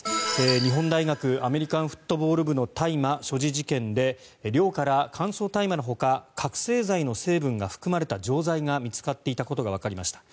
日本大学アメリカンフットボール部の大麻所持事件で寮から、乾燥大麻のほか覚醒剤の成分が含まれた錠剤が見つかっていたことがわかりました。